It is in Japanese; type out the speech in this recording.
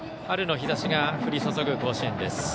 春の日ざしが降り注ぐ甲子園。